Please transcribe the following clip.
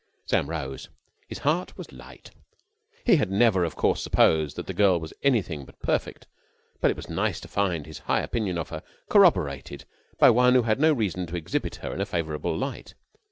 Sam rose. His heart was light. He had never, of course, supposed that the girl was anything but perfect; but it was nice to find his high opinion of her corroborated by one who had no reason to exhibit her in a favourable light.